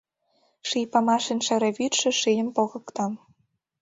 Ший памашын шере вӱдшӧ Шийым погыкта.